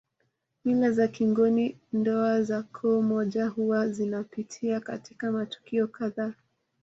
Mila za kingoni ndoa za koo moja huwa zinapitia katika matukio kadhaa